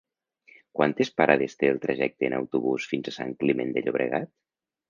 Quantes parades té el trajecte en autobús fins a Sant Climent de Llobregat?